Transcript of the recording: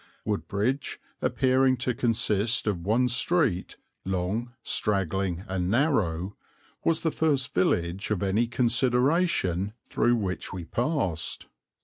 Woodbridge, appearing to consist of one street, long, straggling, and narrow, was the first village of any consideration through which we passed.